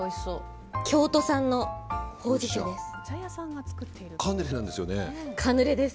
京都山のほうじ茶です。